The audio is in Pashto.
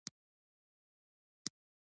د یرغل کولو د نیت په باب د عقیدې اساس.